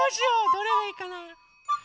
どれがいいかな。